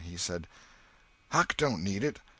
He said: "Huck don't need it.